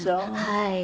はい。